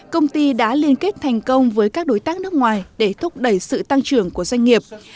công ty đã liên kết thành công với các đối tác nước ngoài để thúc đẩy sự tăng trưởng của doanh nghiệp